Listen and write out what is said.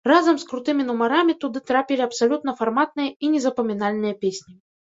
Разам з крутымі нумарамі туды трапілі абсалютна фарматныя і незапамінальныя песні.